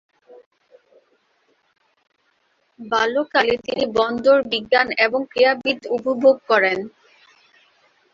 বাল্যকালে তিনি বন্দর বিজ্ঞান এবং ক্রীড়াবিদ উপভোগ করেন।